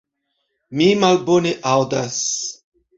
Mi malbone aŭdas.